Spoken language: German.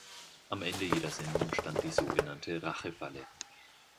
Am Ende jeder Sendung stand die so genannte „Rache-Falle“.